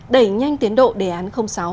đẩy nhanh tiến độ đề án sáu